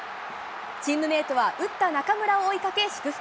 チームメートは打った中村を追いかけ、祝福。